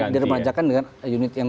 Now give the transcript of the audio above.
dipermajakan dengan unit yang